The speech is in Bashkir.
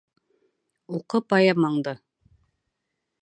Уҡы поэмаңды!